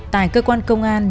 tại cơ quan công an